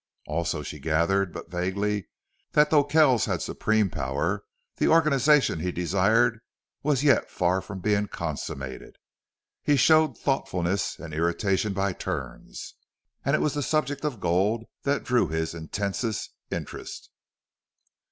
Also she gathered, but vaguely, that though Kells had supreme power, the organization he desired was yet far from being consummated. He showed thoughtfulness and irritation by turns, and it was the subject of gold that drew his intensest interest.